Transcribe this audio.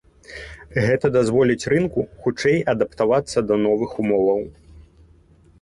Гэта дазволіць рынку хутчэй адаптавацца да новых умоваў.